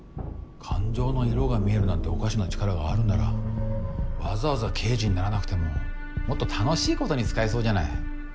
感情の色が見えるなんておかしな力があるんならわざわざ刑事にならなくてももっと楽しいことに使えそうじゃない？